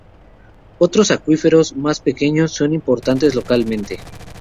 Otros acuíferos más pequeños son importantes localmente.